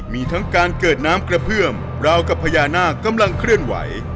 มีทั้งการเกิดน้ำกระเพื่อมราวกับพญานาคกำลังเคลื่อนไหว